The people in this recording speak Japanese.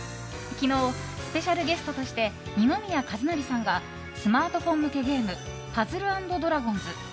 昨日、スペシャルゲストとして二宮和也さんがスマートフォン向けゲーム「パズル＆ドラゴンズ」